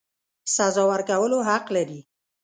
سزا ورکولو حق لري.